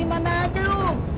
sampai mau keluarin